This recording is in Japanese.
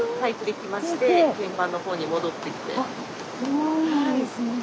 そうなんですね。